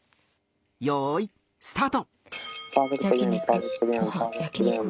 よいスタート。